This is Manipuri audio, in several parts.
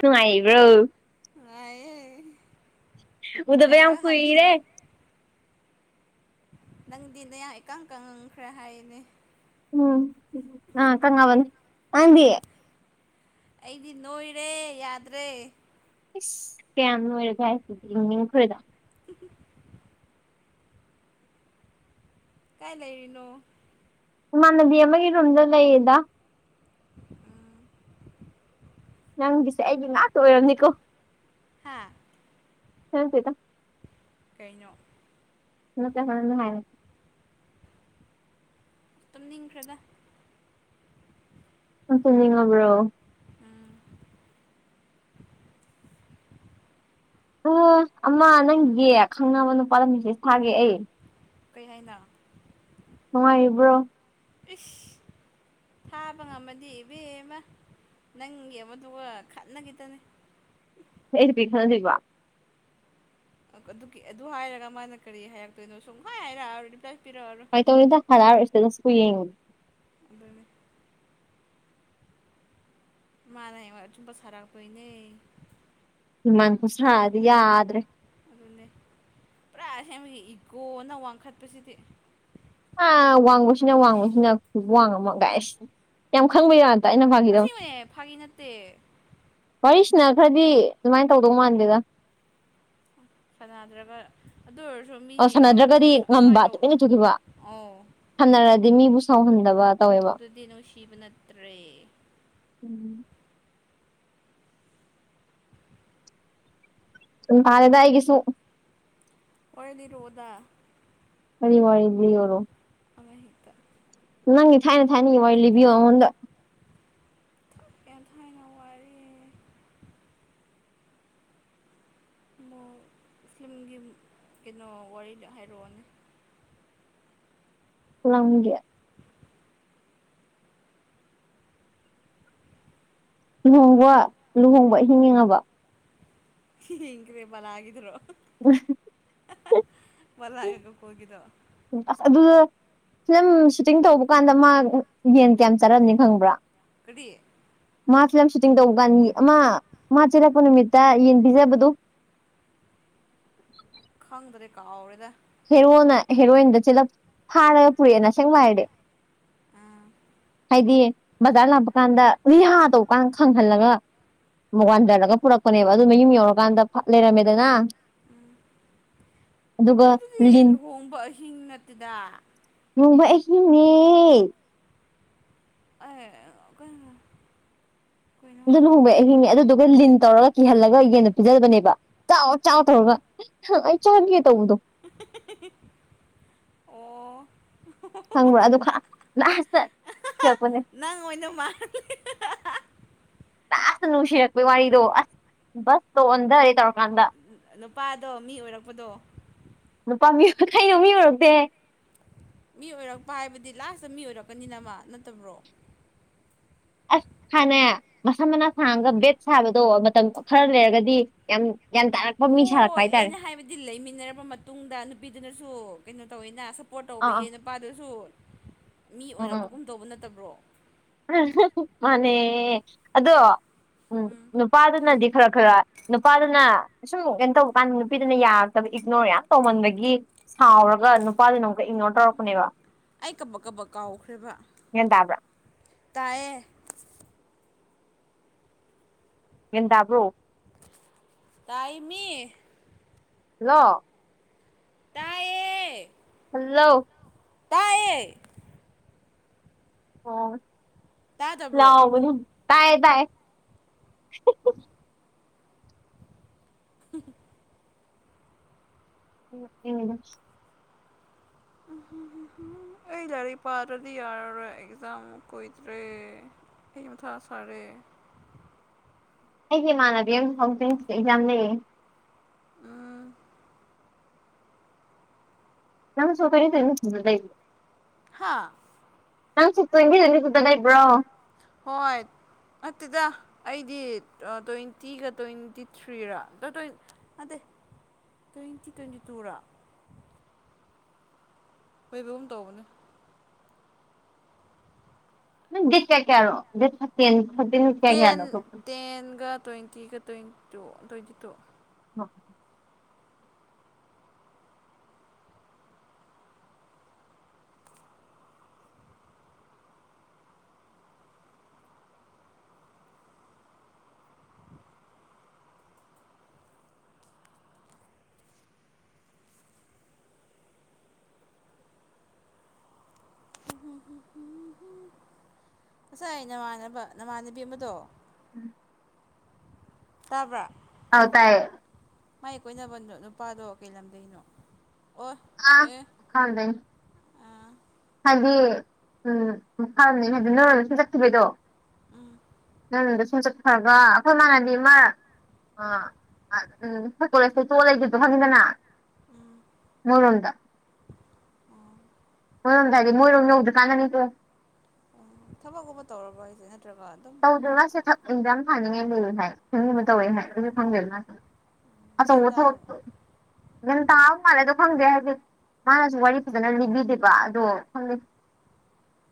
ꯅꯨꯡꯉꯥꯏꯔꯤꯕ꯭ꯔꯣ ꯉꯨꯉꯥꯏꯌ‌ꯦ ꯎꯗꯕ ꯌꯥꯝ ꯀꯌꯥꯔꯛ ꯍꯪꯁꯤꯔ ꯀꯨꯏꯔꯦ ꯅꯪꯗꯤ ꯅꯌꯥ ꯏꯀꯪ ꯀꯪꯉꯪꯈ꯭ꯔꯦ ꯍꯥꯏꯅꯦ ꯎꯝ ꯀꯉꯕꯅꯤ ꯅꯗꯤ ꯑꯩꯗꯤ ꯅꯣꯏꯔꯦ ꯌꯥꯗ꯭ꯔꯦ ꯏꯁꯁ ꯀꯌꯥꯝ ꯂꯣꯏꯔꯦꯒ ꯍꯥꯏꯁꯤꯦꯈꯔꯗ [unintelligible] ꯀꯥꯏ ꯂꯩꯔꯤꯅꯣ ꯃꯥꯟꯅꯕꯤ ꯑꯃꯒꯤ ꯔꯨꯝꯝꯗ ꯂꯩꯌꯦꯗ ꯎꯝ ꯅꯪꯒꯤꯁꯦ ꯑꯩꯒꯤ ꯉꯥꯛꯇ ꯑꯣꯏꯔꯝꯅꯤꯀꯣ ꯍꯥꯥ ꯈꯪꯗ‌ꯦꯗ ꯀꯩꯩꯅꯣ ꯅꯠꯇ‌ꯦ ꯍ‌ꯣꯔ‌ꯦꯟ ꯅꯨꯉꯥꯏꯅ ꯇꯨꯝꯅꯤꯡꯈ꯭ꯔꯗ ꯅꯪ ꯇꯨꯝꯅꯤꯡꯉꯕ꯭ꯔꯣ ꯎꯝ ꯑꯣ ꯑꯃ ꯅꯪꯒꯤ ꯈꯪꯅꯕ ꯅꯨꯄꯥꯗꯨ ꯃ‌ꯦꯁ‌ꯦꯖ ꯊꯥꯒ‌ꯦ ꯑꯩ ꯀꯩ ꯍꯥꯏꯅ‌ꯣ ꯅꯨꯡꯉꯥꯏꯔꯤꯕ꯭ꯔꯣ ꯏꯁ ꯊꯥꯕ ꯉꯝꯃꯗꯤ ꯏꯕꯦꯝꯕ ꯅꯪꯒꯤꯕꯗꯨꯒ ꯈꯠꯅꯈꯤꯇꯅꯤ ꯑꯩ ꯅꯨꯄꯤ ꯈꯠꯅꯗ‌ꯣꯏꯕ ꯑꯗꯨ ꯑꯗꯨ ꯍꯥꯏꯔꯒ ꯃꯥꯅ ꯀꯔꯤ ꯍꯥꯏꯔꯛꯇꯣꯏꯅꯣ ꯁꯨꯝ ꯍꯥꯏꯔꯛꯑꯔ ꯔꯤꯄ꯭ꯂꯥꯏ ꯄꯤꯔꯛꯑꯔ‌ꯣꯏ [unintelligible] ꯑꯗꯨꯅꯤ ꯃꯅ ꯍꯌ‌ꯦꯡꯋꯥꯏ ꯑꯆꯨꯝꯕ ꯁꯔꯥꯛꯇ‌ꯣꯏꯅ‌ꯦ ꯍꯨꯃꯥꯡ ꯈꯨꯁꯥꯗꯤ ꯌꯥꯗ꯭ꯔꯦ ꯑꯗꯨꯅꯦ ꯄꯨꯔꯥ ꯑꯁꯦꯡꯕꯒꯤ ꯏꯒꯣꯅ ꯋꯥꯡꯈꯠꯄꯁꯤꯗꯤ ꯑ ꯋꯥꯡꯕꯁꯤꯅ ꯋꯥꯡꯕꯁꯤꯅ ꯋꯥꯡꯉꯃꯒꯥꯏꯁꯤ ꯌꯥꯝ ꯈꯪꯕ ꯌꯥꯗꯦ ꯇ ꯑꯩꯅ ꯐꯒꯤꯗꯕ ꯑꯁꯦꯡꯕꯅꯦ ꯐꯥꯒꯤ ꯅꯠꯇꯦ ꯋꯥꯔꯤꯁꯤꯅ ꯈꯔꯗꯤ ꯑꯗꯨꯃꯥꯏꯅ ꯇꯧꯗꯧ ꯃꯥꯟꯗꯦꯗ ꯐꯅꯗ꯭ꯔꯒ ꯑꯗꯨ ꯑꯣꯏꯔꯁꯨ ꯃꯤ ꯑ ꯌꯦꯡꯉꯣ ꯑ ꯁꯥꯟꯅꯗ꯭ꯔꯒꯗꯤ ꯑꯁꯨꯃꯥꯏꯅ ꯇꯧ ꯑꯣ ꯈꯅꯔꯗꯤ ꯃꯤꯕꯨ ꯁꯥꯎꯍꯟꯗꯕ ꯇꯧꯋꯦꯕ ꯑꯗꯨꯗꯤ ꯅꯨꯡꯁꯤꯕ ꯅꯠꯇ꯭ꯔꯦ ꯎꯝ ꯗꯨꯝ ꯐꯥꯔꯦꯗ ꯑꯩꯒꯤꯁꯨꯨ ꯑꯣꯏꯗꯤꯔꯣꯗ ꯑꯩꯪ ꯋꯥꯔꯤ ꯂꯤꯌꯣꯔꯣ ꯑꯃ ꯍꯦꯛꯇ ꯅꯪꯒꯤ ꯊꯥꯏꯅ -ꯊꯥꯏꯅ ꯋꯥꯔꯤ ꯂꯤꯕꯤꯌꯣꯉꯣꯟꯗ ꯑꯦꯟꯊꯥꯏꯅ ꯊꯥꯏꯅ ꯋꯥꯔꯤ ꯃ ꯐꯤꯂꯝꯒꯤ ꯀꯩꯅꯣ ꯋꯥꯔꯤꯗꯣ ꯍꯥꯏꯔꯛꯑꯣꯅꯦ ꯂꯝꯒꯦ ꯂꯨꯍꯣꯡꯕ- ꯂꯨꯍꯣꯡꯕ ꯑꯍꯤꯡ ꯌꯦꯡꯉꯕ ꯌꯦꯡꯈ꯭ꯔꯦ ꯕꯂꯥꯒꯤꯗꯨꯔꯣ ꯎꯍ [unintelligible] ꯕꯂꯥꯒ ꯒꯣꯀꯨꯜꯒꯤꯗꯣ ꯑꯁ ꯑꯗꯨꯋꯣ ꯐꯤꯂꯝ ꯁꯨꯇꯤꯡ ꯇꯧꯕ ꯀꯥꯟꯗ ꯃꯥ ꯌꯦꯟ ꯀꯌꯥꯝ ꯆꯥꯔꯝꯅꯤ ꯈꯪꯕ꯭ꯔꯥ ꯀꯔꯤ ꯃꯥ ꯐꯤꯂꯝ ꯁꯨꯇꯤꯡ ꯇꯧꯕ ꯀꯥꯟꯒꯤ ꯑꯃ ꯃꯥ ꯆꯦꯜꯂꯛꯄ ꯅꯨꯃꯤꯠꯇ ꯌꯦꯟꯕꯤꯖꯕꯗꯨ ꯈꯪꯗ꯭ꯔꯦ ꯀꯥꯎꯔꯦꯗ ꯍꯦꯔꯣꯅ ꯍꯦꯔꯣꯏꯟꯗ ꯆꯦꯂꯞ ꯐꯥꯔꯦꯅ ꯄꯨꯔꯛꯑꯦꯅ ꯁꯦꯡꯕꯍꯥꯏꯔꯗꯤ ꯎꯝ ꯍꯥꯏꯗꯤ ꯕꯖꯥꯔ ꯂꯥꯛꯄ ꯀꯥꯟꯗ ꯔꯤꯍꯥ ꯇꯧꯀꯥꯟ ꯈꯪꯍꯜꯂꯒ ꯋꯥꯟꯗꯔꯒ ꯄꯨꯔꯛꯄꯅꯦꯕ ꯑꯗꯨ ꯃꯌꯨꯝ ꯌꯧꯔꯀꯥꯟꯗ ꯐ ꯂꯩꯔꯝꯃꯦꯗꯅ ꯎꯝ ꯑꯗꯨꯒ ꯗꯨꯗꯤ ꯂꯤꯟ ꯂꯨꯍꯣꯡꯕ ꯑꯍꯤꯡ ꯅꯠꯇꯦꯗ ꯂꯨꯍꯣꯡꯕ ꯑꯍꯤꯡꯅꯦ ꯑꯦ ꯀꯩꯅꯣ ꯀꯩꯅ ꯑꯗꯨ ꯂꯨꯍꯣꯡꯕꯩ ꯑꯍꯤꯡꯅꯦ ꯑꯗꯨꯗꯨꯒ ꯂꯤꯟ ꯇꯧꯔꯒ ꯀꯤꯍꯜꯂꯒ ꯌꯦꯟꯗꯣ ꯄꯤꯖꯕꯅꯦꯕ ꯆꯥꯎ- ꯆꯥꯎ ꯇꯧꯔꯒ ꯍ ꯑꯩ ꯆꯒꯦ ꯇꯧꯕꯗꯣ ꯑꯣ ꯑꯗꯨ ꯈꯪꯕ꯭ꯔ ꯂꯥꯁꯇ ꯆꯠꯔꯛꯄꯅꯦ ꯅꯪ ꯑꯣꯏꯅ ꯃꯥꯜꯂꯦ ꯂꯥꯁꯇ ꯅꯨꯡꯁꯤꯔꯛ ꯄꯩ ꯋꯥꯔꯤꯗꯣ ꯑꯁ ꯕꯁ ꯇ ꯑꯣꯟꯙꯔꯦ ꯇꯧ ꯅꯨꯄꯥꯗꯣ ꯃꯤ ꯑꯣꯏꯔꯛꯄꯗꯣ ꯅꯨꯄꯥ ꯃꯤ ꯀꯩꯅꯣ ꯃꯤ ꯑꯣꯏꯔꯛꯇꯦꯍꯦ ꯃꯤ ꯑꯣꯏꯔꯛꯄ ꯍꯥꯏꯕꯗꯤ ꯂꯥꯁꯇ ꯃꯤ ꯑꯣꯏꯔꯛꯀꯅꯤꯅꯃ ꯅꯠꯇꯕ꯭ꯔꯣ ꯑꯁ ꯈꯅꯦ ꯃꯁꯝ ꯃꯅꯥ ꯁꯥꯡꯉꯒ ꯕꯦꯠ ꯁꯥꯕꯗꯣ ꯃꯇꯝ ꯈꯔ ꯂꯩꯔꯒꯗꯤ ꯌꯥꯝ ꯒ꯭ꯌꯥꯟ ꯇꯥꯔꯛ ꯍꯣꯏ ꯑꯩꯅ ꯍꯥꯏꯕꯗꯤ ꯂꯩꯃꯤꯟꯅꯔꯕ ꯃꯇꯨꯡꯗ ꯅꯨꯄꯤꯗꯨꯅꯁꯨ ꯀꯩꯅꯣ ꯇꯧꯋꯤꯅ ꯁꯞ ꯄꯣꯔꯠ ꯑꯥ ꯇꯧꯕꯤꯌꯦ ꯑꯥ ꯅꯨꯄꯥꯗꯨꯁꯨ ꯃꯤ ꯎꯝ ꯎꯝ ꯑꯣꯏꯔꯛꯄꯒꯨꯝ ꯇꯧꯕ ꯅꯠꯇꯕ꯭ꯔꯣ ꯃꯥꯅꯦ ꯑꯗꯣ ꯎꯝ ꯅꯨꯄꯥꯗꯨꯅꯗꯤ ꯈꯔ ꯈꯔ ꯅꯨꯄꯥꯗꯨꯅ ꯑꯁꯨꯝ ꯀꯩꯅꯣ ꯇꯧꯕ ꯀꯥꯟꯗ ꯅꯨꯄꯤꯗꯨꯅ ꯌꯥꯔꯛꯇꯕ ꯏꯒꯅꯣꯔ ꯌꯥꯝ ꯇꯧꯃꯟꯕꯒꯤ ꯁꯥꯎꯔꯒ ꯅꯨꯄꯥꯗꯨꯅ ꯑꯃꯨꯛꯀ ꯏꯒꯅꯣꯔ ꯇꯧꯔꯛꯄꯅꯦꯕ ꯑꯩ ꯀꯕꯛ ꯀꯕꯛ ꯀꯥꯎꯈ꯭ꯔꯦꯕ ꯒ꯭ꯌꯥꯟ ꯇꯥꯕ꯭ꯔꯥ ꯇꯥꯏꯌꯦ ꯒ꯭ꯥꯌꯟ ꯇꯥꯕ꯭ꯔꯣ ꯇꯥꯏꯌꯦꯃꯤ ꯍꯜꯂꯣ ꯇꯥꯏꯌꯦ ꯍꯜꯂꯣ ꯇꯥꯏꯑꯦ ꯑꯣ ꯇꯥꯗꯕ꯭ꯔꯣ ꯂꯥꯎꯒꯅꯨ ꯇꯥꯏ ꯇꯥꯏ [unintelligible] [unintelligible] [unintelligible] ꯑꯩ ꯂꯥꯏꯔꯤꯛ ꯄꯥꯗ꯭ꯔꯗꯤ ꯌꯥꯔꯔꯣꯏ ꯑꯦꯛꯖꯥꯝ ꯀꯨꯣꯏꯗ꯭ꯔꯦ ꯑꯩ ꯃꯊꯥ ꯁꯥꯔꯦ ꯑꯩꯒꯤ ꯏꯃꯥꯟꯅꯕꯤ ꯑꯃ ꯐꯗꯛꯖ ꯀ ꯏꯕꯥꯟꯅꯤ ꯎꯝ ꯅꯪꯁꯨ [unintelligible] ꯍꯥꯥ ꯅꯪ ꯆꯨꯞ [unintelligible] ꯁꯨꯛꯇꯅ ꯂꯩꯕ꯭ꯔꯣ ꯍꯣꯏ ꯅꯠꯇꯦꯗ ꯑꯩꯗꯤ ꯇ꯭ꯋꯦꯟꯇꯤꯒ ꯇ꯭ꯋꯦꯟꯇꯤ ꯊ꯭ꯔꯤꯔꯥ [unintelligible] ꯅꯠꯗꯦ ꯇ꯭ꯋꯦꯟꯇꯤ ꯇ꯭ꯋꯦꯟꯇꯤ ꯇꯨꯔꯣ ꯑꯈꯣꯏꯗꯤ ꯑꯗꯨꯝ ꯇꯧꯕꯅꯦ ꯅꯪ ꯗꯦꯠ ꯀꯌꯥ ꯀꯌꯥꯔꯣ [unintelligible] ꯇꯦꯟ ꯇꯦꯟꯒ ꯇ꯭ꯋꯦꯟꯇꯤꯒ ꯇ꯭ꯋꯦꯟ ꯇꯨ ꯇ꯭ꯋꯦꯟꯇꯤ ꯇꯨ [inaudible] [inaudible] [unintelligible] ꯉꯁꯥꯏ ꯅꯃꯥꯟꯅꯕ ꯅꯃꯥꯟꯅꯕꯤ ꯑꯃꯗꯣ ꯎꯝ ꯇꯥꯕ꯭ꯔꯥ ꯑꯧ ꯇꯥꯏꯌꯦ ꯃꯥꯏ ꯀꯣꯏꯅꯕꯗꯣ ꯅꯨꯄꯥꯗꯣ ꯀꯩ ꯂꯝꯗꯩꯅꯣ ꯑꯣ ꯑꯥ ꯑꯦ ꯈꯪꯗꯦꯅꯦ ꯑꯥ ꯍꯥꯏꯗꯤ ꯎꯝ ꯃꯈꯥꯅꯦ ꯍꯥꯏꯗꯤ ꯅꯪꯁꯨ ꯆꯠꯈꯤꯕꯩꯗꯣ ꯎꯝ ꯅꯪꯗꯤ ꯁꯣꯝ ꯆꯠꯈ꯭ꯔꯒ ꯑꯩꯈꯣꯏ ꯏꯃꯥꯟꯅꯕꯤ ꯑꯃꯥ ꯑꯥ ꯎꯝ ꯑꯈꯣꯏ ꯀꯣꯂꯦꯁꯇꯩ ꯇꯣꯛꯑꯒ ꯂꯩꯒꯤꯕꯗꯣ ꯈꯪꯉꯤꯗꯅ ꯃꯣꯏꯔꯣꯝꯗ ꯃꯣꯏꯔꯣꯝ ꯍꯥꯏꯗꯤ ꯃꯣꯏꯔꯣꯝ ꯌꯧꯗ꯭ꯔꯤ ꯀꯥꯟꯗꯅꯤ ꯀꯣ ꯊꯥꯕꯛꯀꯨꯝꯕ ꯇꯧꯔꯕ ꯍꯥꯏꯁꯦ ꯅꯠꯇ꯭ꯔꯒ ꯑꯗꯨꯝ ꯇꯧꯗꯦꯗ [unintelligible] ꯒ꯭ꯌꯥꯟ ꯑꯆꯧꯕ ꯊꯥꯕꯛ ꯇꯥꯕ꯭ꯔꯣ ꯒ꯭ꯌꯥꯟ ꯇꯥꯕ ꯃꯥꯜꯂꯦ ꯑꯗꯣ ꯈꯪꯗꯦ ꯍꯥꯏꯗꯤ ꯃꯥꯅꯁꯨ ꯋꯥꯔꯤ ꯐꯖꯅ ꯂꯤꯕꯤꯗꯦꯕ ꯑꯗꯣ ꯈꯪꯗꯦ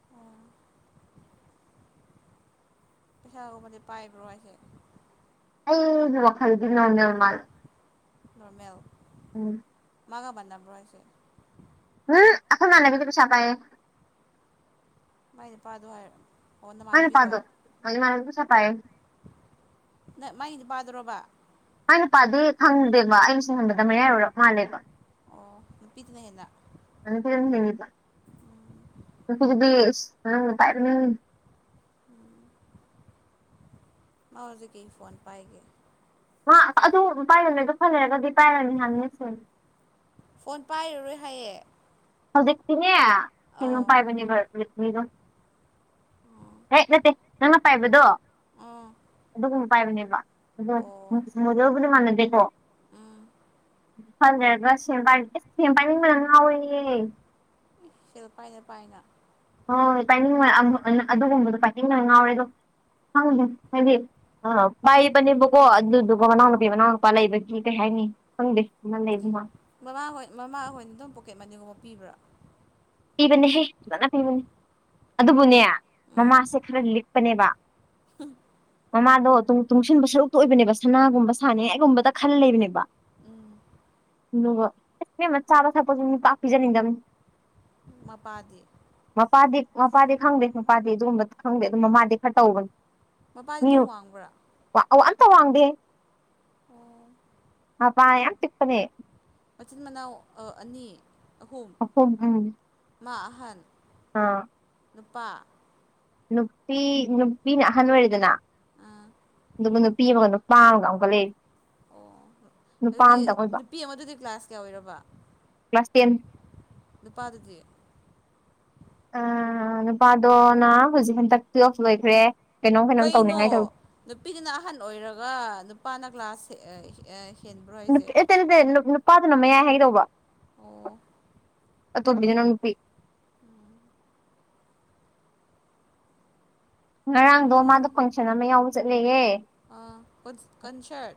[inaudible] ꯄꯩꯁꯥꯒꯨꯝꯕꯗꯤ ꯄꯥꯏꯕ꯭ꯔꯣ ꯍꯥꯏꯁꯦ꯫ ꯑꯩꯒꯤ ꯋꯥꯈꯜꯗꯤ ꯅꯣꯔꯃꯦꯜ ꯃꯥꯜꯂꯦ꯫ ꯅꯣꯔꯃꯦꯜ꯫ ꯎꯝ꯫ ꯃꯥꯒ ꯃꯥꯟꯅꯕ꯭ꯔꯣ ꯍꯥꯏꯁꯦ꯫ ꯎꯝ ꯑꯈꯣꯏ ꯃꯥꯥꯟꯅꯕꯤꯗꯤ ꯄꯩꯁꯥ ꯄꯥꯏꯌꯦ꯫ ꯃꯥꯏ ꯅꯨꯄꯥꯗꯣ ꯍꯥꯏꯔ꯫ ꯑꯣ ꯃꯥꯥꯏ ꯅꯨꯄꯥꯗꯣ ꯅꯃꯥꯟꯅꯕꯤꯗꯣ [unintelligible] ꯏꯃꯥꯟꯅꯕꯤ ꯄꯩꯁꯥ ꯄꯥꯏꯌꯦ꯫ ꯅꯠ ꯃꯥꯏ ꯅꯨꯄꯥꯗꯨꯔꯣꯕ꯫ ꯃꯥꯏ ꯅꯨꯄꯥꯗꯤ ꯈꯪꯗꯦꯕ ꯑꯩꯅ ꯁꯨꯝ ꯈꯟꯕꯗ ꯃꯌꯥꯏ ꯑꯣꯏꯔꯞ ꯃꯥꯜꯂꯦꯕ꯫ ꯑꯣ ꯅꯨꯄꯤꯗꯨꯅ ꯍꯦꯟꯅ ꯅꯨꯄꯤꯗꯨꯅ ꯍꯦꯜꯂꯦꯕ ꯅꯨꯄꯤꯗꯨꯗꯤ ꯏꯁ [unintelligible] ꯄꯥꯏꯕꯅꯦ꯫ ꯃꯥ ꯍꯧꯖꯤꯛ ꯀꯩ ꯐꯣꯟ ꯄꯥꯏꯒꯦ꯫ ꯃꯥ ꯑꯗꯨꯝ ꯄꯥꯏꯔꯝꯃꯦꯕ ꯈꯔ ꯂꯩꯔꯒꯗꯤ ꯄꯥꯏꯔꯅꯤ ꯍꯥꯏꯝꯅꯦ ꯁꯦꯝ꯫ ꯐꯣꯟ ꯄꯥꯏꯔꯔꯣꯏ ꯍꯥꯏꯌꯦ꯫ ꯍꯧꯖꯤꯛꯇꯤꯅꯦ ꯀꯩꯅꯣ ꯑꯧ ꯄꯥꯏꯕꯅꯦꯕ ꯔꯦꯠꯃꯤꯗꯣ ꯎꯝ ꯍꯦꯛ ꯅꯠꯇꯦ ꯅꯪꯅ ꯄꯥꯏꯕꯗꯣ ꯑꯥ꯫ ꯑꯗꯨꯒꯨꯝꯕ ꯄꯥꯏꯕꯅꯦꯕ ꯑꯗꯣ [unintelligible] ꯃꯣꯗꯦꯜ ꯄꯨꯗꯤ ꯃꯥꯟꯅꯗꯦꯀꯣ ꯎꯝ ꯈꯔ ꯂꯩꯔꯒ ꯁꯦꯝ [unintelligible] ꯏꯁ ꯁꯦꯝ ꯄꯥꯏꯅꯤꯡꯕꯅ ꯉꯥꯎꯔꯦ ꯌꯦ꯫ ꯁꯦꯜ ꯄꯥꯏꯅ ꯄꯥꯏꯅ꯫ ꯍꯣꯏ ꯄꯥꯏꯅꯤꯡꯕ [unintelligible] ꯑꯗꯨꯒꯨꯝꯕꯗꯣ ꯄꯥꯏꯅꯤꯡꯕꯅꯦ ꯉꯥꯎꯔꯦ ꯑꯗꯣ ꯈꯪꯗꯦ ꯍꯥꯏꯗꯤ ꯑ ꯄꯥꯏꯕꯅꯦꯕꯀꯣ ꯑꯗꯨꯗꯨꯒ ꯃꯅꯥꯎꯅꯨꯄꯤ ꯃꯅꯥꯎꯅꯨꯄꯥ ꯂꯩꯕꯒꯤ ꯀꯩ ꯍꯥꯏꯅꯤ ꯈꯪꯗꯦ ꯑꯃ ꯂꯩꯕ [unintelligible] ꯃꯃꯥꯍꯣꯏ ꯃꯃꯥꯍꯣꯏꯅ ꯑꯗꯨꯝ ꯄꯣꯀꯦꯠ ꯃꯅꯤꯒꯨꯝꯕ ꯄꯤꯕ꯭ꯔꯥ꯫ ꯄꯤꯕꯅꯦꯍꯦ ꯐꯖꯅ ꯄꯤꯕꯅꯤ꯫ ꯑꯗꯨꯕꯨꯅꯦ ꯎꯝ ꯃꯃꯥꯁꯦ ꯈꯔ ꯂꯤꯛꯄꯅꯦꯕ꯫ ꯃꯃꯥꯗꯣ ꯇꯨꯡ ꯇꯨꯡꯁꯤꯟꯕ ꯁꯔꯨꯛꯇ ꯑꯣꯏꯕꯅꯦꯕ ꯁꯅꯥꯒꯨꯝꯕ ꯁꯥꯅꯤꯡꯉꯥꯏꯒꯨꯝꯕꯗ ꯈꯜ ꯂꯩꯕꯅꯦꯕ꯫ ꯎꯝ꯫ ꯑꯗꯨꯒ ꯏꯁ ꯏꯕꯦꯝꯃ ꯆꯥꯕ ꯊꯛꯄꯁꯨ ꯃꯤ ꯄꯥꯛ ꯄꯤꯖꯅꯤꯡꯗꯕꯅꯤ꯫ ꯃꯄꯥꯗꯤ꯫ ꯃꯄꯥꯗꯤ ꯃꯄꯥꯗꯤ ꯈꯪꯗꯦ ꯃꯄꯥꯗꯤ ꯑꯗꯨꯒꯨꯝꯕ ꯈꯪꯗꯦ ꯑꯗꯨ ꯃꯃꯥꯗꯤ ꯈꯔ ꯇꯧꯕꯅꯤ꯫ ꯃꯄꯥꯗꯤ ꯑꯗꯨꯝ ꯋꯥꯡꯕ꯭ꯔꯥ꯫ ꯋꯥ-ꯑ-ꯋꯥ ꯑꯝꯇ ꯋꯥꯡꯗꯦ ꯑꯣ ꯃꯄꯥ ꯌꯥꯝ ꯄꯤꯛꯄꯅꯦ꯫ ꯃꯆꯤꯟ ꯃꯅꯥꯎ ꯑ ꯑꯅꯤ ꯑꯍꯨꯝ꯫ ꯑꯍꯨꯝ ꯎꯝ꯫ ꯃꯥ ꯑꯍꯟ꯫ ꯑꯥ꯫ ꯅꯨꯄꯥ‌꯫ ꯅꯨꯄꯤ ꯅꯨꯄꯤꯅ ꯑꯍꯟ ꯑꯣꯏꯔꯦꯗꯅ ꯑꯥ ꯑꯗꯨꯒ ꯅꯨꯄꯤ ꯑꯃꯒ ꯅꯨ ꯄꯥ ꯑꯝꯒ ꯑꯃꯨꯛꯀ ꯂꯩꯔꯤ꯫ ꯑꯣ ꯅꯨꯄꯥ ꯑꯗꯨꯗꯤ ꯑꯃꯇꯪ ꯑꯣꯏꯕ ꯅꯨꯄꯤ ꯑꯃꯗꯨꯗꯤ ꯀ꯭ꯂꯥꯁ ꯀ꯭ꯌꯥ ꯑꯣꯏꯔꯕ꯫ Class ten. ꯅꯨꯄꯥꯗꯨꯗꯤ ꯑꯥ ꯅꯨꯄꯥꯗꯣꯅ ꯍꯧꯖꯤꯛ ꯍꯟꯗꯛ ꯇꯨꯋꯦꯜꯐ ꯂꯣꯏꯈ꯭ꯔꯦ ꯀꯩꯅꯣꯝ ꯀꯩꯅꯣꯝ ꯀꯩꯅꯣ ꯇꯧꯅꯤꯡꯉꯥꯏ ꯇꯧꯔꯤ ꯅꯨꯄꯤꯗꯨꯅ ꯑꯍꯟ ꯑꯣꯏꯔꯒ ꯅꯨꯄꯥꯅ ꯀ꯭ꯂꯥꯁ ꯑꯥ ꯑꯥ ꯅꯨ ꯑꯦꯇꯦ ꯅꯠꯇꯦ ꯅꯨꯄꯥꯗꯨꯅ ꯃꯌꯥꯏ ꯍꯥꯏꯒꯦ ꯇꯧꯕ ꯑꯣ ꯑꯇꯣꯝꯕꯤꯗꯨꯅ ꯅꯨꯄꯤ ꯉꯔꯥꯡꯗꯣ ꯇꯨꯝꯃꯦ ꯃꯥꯗꯣ ꯐꯪꯁꯟ ꯑꯃ ꯌꯥꯎꯕ ꯆꯠꯂꯦꯌꯦ ꯑꯥ ꯀꯣꯟꯁ ꯀꯟꯁꯔꯠ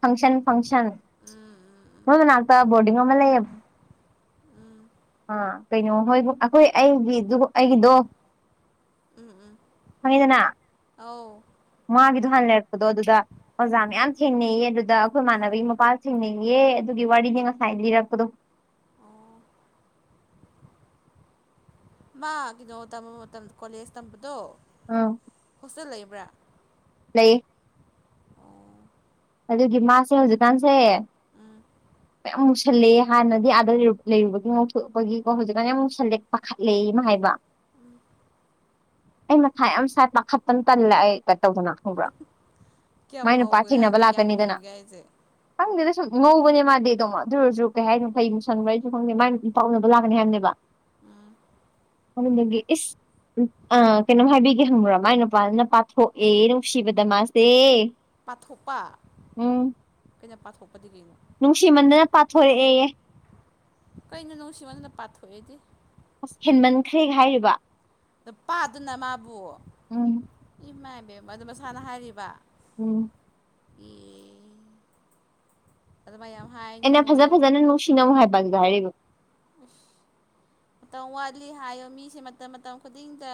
ꯐꯪꯁꯟ ꯐꯪꯁꯟ ꯎꯝ ꯃꯣꯏ ꯃꯅꯥꯛꯇ ꯕꯣꯔꯗꯤꯡ ꯑꯃ ꯂꯩꯌꯦꯕ ꯎꯝ ꯑꯥ ꯀꯩꯅꯣ ꯍꯣꯏꯕꯨꯛ ꯑꯩꯈꯣꯏ ꯑꯩꯒꯤꯗꯨ ꯑꯩꯒꯤꯗꯣ ꯎꯝ ꯎꯝ ꯈꯪꯉꯤꯗꯅ ꯑꯧ ꯃꯥꯒꯤꯗꯣ ꯍꯥꯟꯅ ꯂꯩꯔꯛꯄꯗꯣ ꯑꯗꯨꯗ ꯑꯣꯖꯥ ꯃꯌꯥꯝ ꯊꯦꯡꯅꯩꯌꯦ ꯑꯗꯨꯗ ꯑꯩꯈꯣꯏ ꯃꯥꯟꯅꯅꯕꯤꯒꯤ ꯃꯄꯥ ꯊꯦꯡꯅꯩꯌꯦ ꯑꯗꯨꯒꯤ ꯋꯥꯔꯤꯅꯤ ꯉꯁꯥꯏ ꯂꯤꯔꯛꯄꯗꯣ ꯑꯣ ꯃꯥꯒꯤꯗꯣ ꯇꯝꯕ ꯃꯇꯝꯗ ꯀꯣꯂꯦꯖ ꯇꯝꯕꯗꯣ ꯑꯪ ꯍꯣꯁꯇꯦꯜ ꯂꯩꯕ꯭ꯔꯥ ꯂꯩꯌꯦ ꯑꯣ ꯑꯗꯨꯒꯤ ꯃꯥꯁꯦ ꯍꯧꯖꯤꯛꯀꯥꯟꯁꯦ [inaudible] ꯃꯌꯥꯝ ꯃꯨꯁꯜꯂꯦꯌꯦ ꯍꯟꯅꯗꯤ ꯑꯗꯥ ꯂꯩ ꯂꯩꯔꯨꯕꯒꯤ ꯉꯥꯎꯊꯣꯛꯄꯒꯤꯀꯣ ꯍꯧꯖꯤꯛꯀꯥꯟ ꯌꯥꯝ ꯃꯨꯁꯜꯂꯦ ꯄꯥꯈꯠꯂꯦꯌꯦ ꯃꯥ ꯍꯥꯏꯕ ꯎꯝ ꯑꯩ ꯃꯊꯥ ꯌꯥꯝ ꯁꯥꯏ ꯄꯥꯈꯠꯄꯅ ꯇꯜꯂ ꯑꯩ ꯀꯥ ꯇꯧꯗꯅ ꯈꯪꯕ꯭ꯔꯥ ꯀꯌꯥꯝ ꯃꯥꯏ ꯅꯨꯄꯥ ꯉꯧꯒꯦ ꯊꯦꯡꯅꯕ ꯍꯥꯏꯕꯗꯤ ꯀꯌꯥꯝ ꯂꯥꯛꯀꯅꯤꯗꯅ ꯃꯨꯒꯦ ꯍꯥꯏꯖꯦ ꯈꯪꯗꯦꯗ ꯁꯨꯝ ꯉꯧꯕꯅꯦ ꯃꯥꯗꯤ ꯑꯗꯨꯝ ꯑꯗꯨ ꯑꯣꯏꯔꯖꯨ ꯀꯩ ꯍꯥꯏꯅꯩ ꯀꯩ ꯃꯨꯁꯟꯕ꯭ꯔꯥ ꯑꯩꯖꯨ ꯈꯪꯗꯦ ꯃꯥ ꯄꯥ ꯎꯅꯕ ꯂꯥꯛꯀꯅꯤ ꯍꯥꯏꯕꯅꯦꯕ ꯎꯝ ꯑꯗꯨꯗꯨꯒꯤ ꯏꯁ ꯑꯥ ꯀꯩꯅꯣꯝ ꯍꯥꯏꯕꯤꯒꯦ ꯈꯪꯕ꯭ꯔꯣ ꯃꯥꯏ ꯅꯨꯄꯥꯗꯨꯅ ꯄꯥꯊꯣꯛꯑꯦ ꯅꯨꯡꯁꯤꯕꯗ ꯃꯥꯁꯦ ꯄꯥꯊꯣꯛꯄ ꯎꯝ ꯀꯩꯅ ꯄꯥꯊꯣꯛꯄꯗꯤ ꯀꯩꯅꯣ ꯅꯨꯡꯁꯤꯃꯟꯗꯅ ꯄꯥꯊꯣꯔꯛꯑꯦꯌꯦ ꯀꯩꯅꯣ ꯅꯨꯡꯁꯤꯃꯟꯗꯅ ꯄꯥꯊꯣꯛꯑꯦꯗꯤ ꯑꯁ ꯍꯦꯟꯃꯟꯈ꯭ꯔꯦꯒ ꯍꯥꯏꯔꯤꯕ ꯅꯨꯄꯥꯗꯨꯅ ꯃꯥꯕꯨ ꯎꯝ ꯏꯃꯥ ꯏꯕꯦꯝꯃ ꯑꯗꯨ ꯃꯁꯥꯅ ꯍꯥꯏꯔꯤꯕ ꯎꯝ ꯑꯦ ꯑꯗꯨꯃꯥꯏ ꯌꯥꯝ ꯍꯥꯏꯅꯣꯌꯣ [unintelligible] ꯍꯥꯏꯕꯗꯖꯨ ꯍꯥꯏꯔꯛꯏꯕ ꯑꯁ ꯃꯇꯝ ꯋꯥꯠꯂꯤ ꯍꯥꯏꯌꯣ ꯃꯤꯁꯦ ꯃꯇꯝ ꯃꯇꯝ ꯈꯨꯗꯤꯡꯗ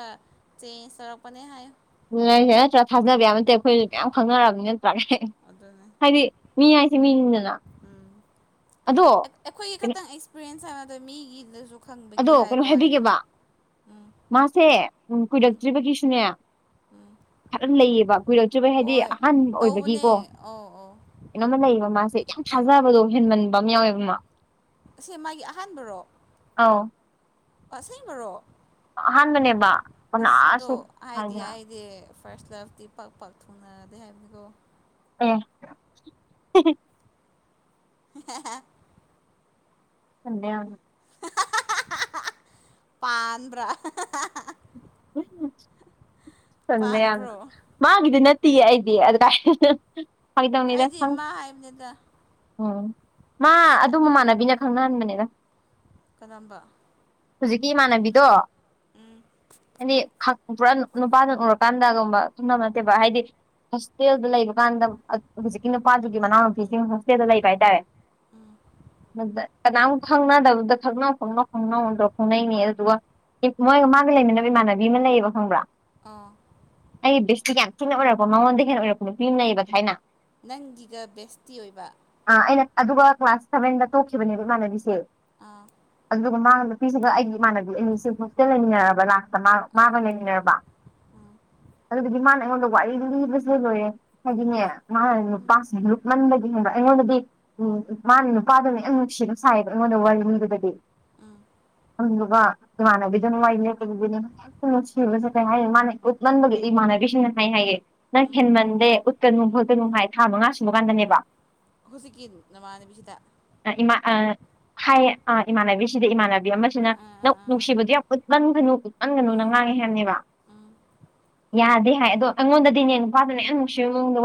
ꯆꯦꯟꯖ ꯇꯧꯔꯛꯄꯅꯦ ꯍꯥꯏꯌꯣ ꯑꯗꯨꯅꯦ ꯍꯥꯏꯁꯦ ꯅꯠꯇ꯭ꯔꯥ ꯊꯥꯖꯕ ꯌꯥꯕ ꯅꯠꯇꯦ ꯑꯩꯈꯣꯏꯅ ꯃꯌꯥꯝ ꯈꯪꯅꯔꯕꯅꯤꯅ ꯅꯠꯇ꯭ꯔꯥ ꯑꯗꯨꯅꯦ ꯍꯥꯏꯗꯤ ꯃꯤ ꯍꯥꯏꯁꯦ ꯃꯤꯅꯤꯗꯅ ꯎꯝ ꯑꯗꯣ ꯑꯩꯈꯣꯏꯒꯤ ꯀꯩꯅꯣ ꯈꯛꯇꯪ ꯑꯦꯛꯁꯄꯤꯔꯌꯦꯟꯁ ꯍꯥꯏꯕ ꯅꯠꯇꯕ ꯃꯤꯒꯤꯗꯖꯨ ꯑꯗꯣ ꯀꯩꯅꯣ ꯍꯥꯏꯕꯤꯒꯦꯕ ꯎꯝ ꯃꯥꯁꯦ ꯎꯝ ꯀꯨꯏꯔꯛꯇ꯭ꯔꯤꯕꯒꯤꯁꯨꯅꯦ ꯈꯔ ꯂꯩꯌꯦꯕ ꯀꯨꯏꯔꯛꯇ꯭ꯔꯤꯕꯩ ꯍꯥꯏꯗꯤ ꯍꯣꯏ ꯑꯍꯥꯟꯕ ꯇꯧꯕꯅꯦ ꯑꯣꯏꯕꯒꯤꯀꯣ ꯑꯧ ꯑꯧ ꯀꯩꯅꯣꯃ ꯂꯩꯌꯦꯕ ꯃꯥꯁꯦ ꯌꯥꯝ ꯊꯥꯖꯕꯗꯣ ꯍꯦꯟꯃꯟꯕ ꯑꯃ ꯌꯥꯎꯋꯦꯕ ꯃꯥ ꯑꯁꯦ ꯃꯥꯒꯤ ꯑꯍꯥꯟꯕꯔꯣ ꯑꯥꯎ ꯑꯁꯦꯡꯕꯔꯣ ꯑꯍꯥꯟꯕꯅꯦꯕ ꯑꯁ ꯑꯗꯣ ꯀꯅꯥꯁꯨ ꯍꯥꯏꯗꯤ ꯍꯥꯏꯗꯤ ꯐꯔꯁ ꯂꯞ ꯄꯥꯛ ꯄꯥꯛ ꯊꯨꯡꯅꯗꯦ ꯍꯥꯏꯕꯅꯤꯀꯣ ꯑꯦ [unintelligible] ꯀꯟꯗꯦꯝ ꯄꯥꯟꯕ꯭ꯔꯥ ꯆꯝꯃꯦ ꯌꯥꯝꯅ ꯄꯥꯟꯕ꯭ꯔꯣ ꯃꯥꯒꯤꯗꯤ ꯅꯠꯇꯤꯌꯦ ꯑꯩꯗꯤ ꯑꯗꯨ ꯀꯥꯏꯗ ꯐꯒꯤ ꯇꯧꯕꯅꯤꯗ ꯑꯩꯗꯤ ꯈꯪꯗꯦ ꯃꯥ ꯍꯥꯏꯕꯅꯤꯗ ꯑꯣ ꯃꯥ ꯑꯗꯨ ꯃꯃꯥꯟꯅꯕꯤꯅ ꯈꯪꯅꯍꯟꯕꯅꯦꯗ ꯀꯔꯝꯕ ꯍꯧꯖꯤꯛꯀꯤ ꯏꯃꯥꯟꯅꯕꯤꯗꯣ ꯎꯝ ꯍꯥꯏꯗꯤ ꯍꯛ ꯄꯨꯔꯥ ꯅꯨꯄꯥꯗꯨ ꯎꯔꯀꯥꯟꯗꯒꯨꯝꯕ ꯈꯪꯅꯕ ꯅꯠꯇꯦꯕ ꯍꯥꯏꯗꯤ ꯍꯣꯁꯇꯦꯜꯗ ꯂꯩꯕ ꯀꯥꯟꯗ ꯍꯧꯖꯤꯛꯀꯤ ꯅꯨꯄꯥꯗꯨꯒꯤ ꯃꯅꯥꯎ ꯅꯨꯄꯤꯁꯤꯡ ꯍꯣꯁꯇꯦꯜꯗ ꯂꯩꯕ ꯍꯥꯏꯇꯥꯔꯦ ꯎꯝ ꯑꯗ ꯀꯅꯥꯝ ꯈꯪꯅꯗꯕꯗ ꯈꯪꯅꯧ ꯈꯪꯅꯧ ꯈꯪꯅꯧꯇꯧꯔ ꯈꯪꯅꯩꯅꯦꯌꯦ ꯑꯗꯨꯒ ꯃꯣꯏꯒ ꯃꯥꯒ ꯂꯩꯃꯤꯟꯅ ꯈꯣꯏꯃꯥꯟꯅꯕꯤ ꯑꯃ ꯂꯩꯌꯦꯕ ꯈꯪꯕ꯭ꯔꯥ ꯑꯥ ꯑꯩ ꯕꯦꯁꯇꯤ ꯌꯥꯝ ꯊꯤꯅ ꯑꯣꯏꯔꯛꯄ ꯃꯉꯣꯟꯗꯩ ꯍꯦꯟꯅ ꯑꯣꯏꯔꯛꯄ ꯅꯨꯄꯤ ꯑꯃ ꯂꯩꯩꯌꯦꯕ ꯊꯥꯏꯅ ꯅꯪꯒꯤꯒ ꯕꯦꯁꯇꯤ ꯑꯣꯏꯕ ꯑ ꯑꯩꯅ ꯑꯗꯨꯒ ꯀ꯭ꯂꯥꯁ ꯁꯚꯦꯟꯗ ꯇꯣꯛꯈꯤꯕꯅꯦꯕ ꯏꯃꯥꯟꯅꯕꯤꯁꯦ ꯑꯥ ꯑꯗꯨꯗꯨꯒ ꯃꯥꯒ ꯅꯨꯄꯤꯁꯤꯒ ꯑꯩꯒꯤ ꯏꯃꯥꯟꯅꯕꯤ ꯑꯅꯤꯁꯤ ꯍꯣꯁꯇꯦꯜ ꯂꯩꯃꯤꯟꯅꯔꯑꯕ ꯂꯥꯁꯇ ꯃꯥ ꯑꯥ ꯃꯥꯒ ꯂꯩꯃꯤꯟꯅꯔꯕ ꯎꯝ ꯑꯗꯨꯗꯤꯒꯤ ꯃꯥꯅ ꯑꯩꯉꯣꯟꯗ ꯋꯥꯔꯤ ꯂꯤꯕꯁꯤ ꯂꯣꯏꯔꯦ ꯍꯥꯏꯗꯤꯅꯦ ꯃꯥꯅ ꯎꯝ ꯅꯨꯄꯥꯁꯤ ꯂꯨꯞꯃꯟꯕꯒꯤ ꯍꯦꯟꯕ ꯑꯩꯉꯣꯟꯗꯗꯤ ꯎꯝ ꯃꯥꯅ ꯅꯨꯄꯥꯗꯨꯅ ꯌꯥꯝ ꯅꯨꯡꯁꯤꯕ ꯁꯥꯔꯤꯕ ꯑꯩꯉꯣꯟꯗ ꯋꯥꯔꯤ ꯂꯤꯕꯗꯗꯤ ꯑꯥ ꯑꯗꯨꯗꯨꯒ ꯏꯃꯥꯟꯅꯕꯤꯗꯨꯅ ꯋꯥꯔꯤ ꯂꯤꯔꯛꯄꯒꯤ [unintelligible] ꯅꯨꯡꯁꯤꯕꯁꯨ ꯀꯩ ꯍꯥꯏꯅꯤ ꯃꯥꯅ ꯎꯠꯃꯟꯕꯒꯤ ꯏꯃꯥꯟꯅꯕꯤꯁꯤꯡꯅ ꯍꯥꯏ ꯍꯥꯏꯌꯦ ꯅꯪ ꯎꯝ ꯍꯦꯟꯃꯟꯂꯦ ꯎꯠꯀꯅꯨ ꯈꯣꯠꯀꯅꯨ ꯍꯥꯏ ꯊꯥ ꯃꯉꯥ ꯁꯨꯕ ꯀꯥꯟꯗꯅꯦꯕ ꯍꯨꯖꯤꯛꯀꯤ ꯅꯃꯥꯅꯤꯕꯤꯁꯤꯗ ꯑ ꯏꯃꯥ ꯑ ꯍꯥꯏꯌꯦ ꯑ ꯏꯃꯥꯟꯅꯕꯤꯁꯤꯗ ꯏꯃꯥꯟꯅꯕꯤ ꯑꯃꯁꯤꯅ ꯑꯥ ꯑꯥ ꯅꯪ ꯑꯥ ꯅꯨꯡꯁꯤꯕꯗꯨ ꯌꯥꯝ ꯎꯠ ꯃꯟꯒꯅꯨ ꯎꯠꯃꯟꯒꯅꯨꯅ ꯑꯥ ꯉꯥꯡꯉꯦ ꯍꯦꯕꯅꯦꯕ ꯎꯝ ꯌꯥꯗꯦ ꯍꯥꯏ ꯑꯗꯣ ꯑꯩꯉꯣꯟꯗꯗꯤꯅꯦ ꯅꯨꯄꯥꯗꯨꯅ ꯌꯥꯝ ꯅꯨꯡꯁꯤꯕ ꯃꯑꯣꯡꯗ ꯋꯥ